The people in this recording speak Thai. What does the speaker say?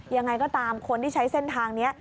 ยังไงก็ตามคนที่ใช้เส้นทางนี้